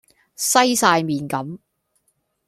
西哂面咁